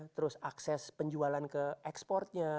terus akses penjualan ke ekspornya